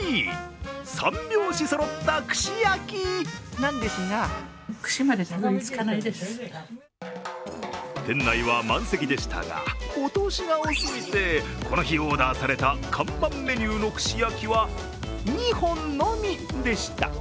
３拍子そろった串焼きなんですが店内は満席でしたが、お通しが多すぎてこの日オーダーされた看板メニューの串焼きは２本のみでした。